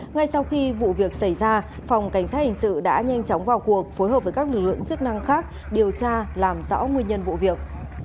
ngay sau khi vụ việc xảy ra phòng cảnh sát hình sự đã nhanh chóng vào cuộc phối hợp với các lực lượng chức năng khác điều tra làm rõ nguyên nhân vụ việc